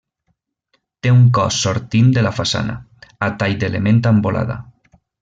Té un cos sortint de la façana, a tall d'element amb volada.